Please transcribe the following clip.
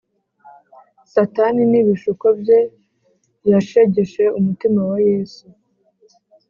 satani n’ibishuko bye yashegeshe umutima wa yesu